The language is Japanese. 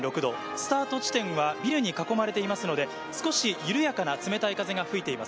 スタート地点はビルに囲まれていますので少し緩やかな冷たい風が吹いています。